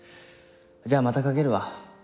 じゃあまたかけるわ。